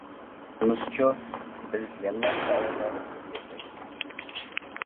بولمىسىچۇ؟ بىز يەنىلا شائىرلار ئىچىدە ياشايمىز.